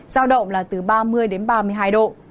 giao động là từ ba mươi đến ba mươi hai độ